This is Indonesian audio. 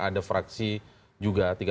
ada fraksi juga tinggal